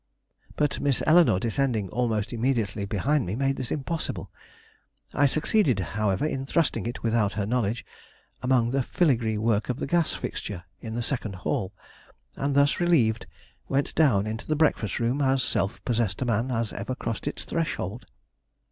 But Miss Eleanore descending almost immediately behind me made this impossible. I succeeded, however, in thrusting it, without her knowledge, among the filagree work of the gas fixture in the second hall, and thus relieved, went down into the breakfast room as self possessed a man as ever crossed its threshold.